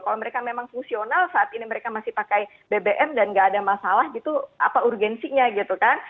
kalau mereka memang fungsional saat ini mereka masih pakai bbm dan gak ada masalah gitu apa urgensinya gitu kan